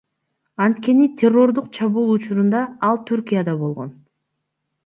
Анткени террордук чабуул учурунда ал Түркияда болгон эмес.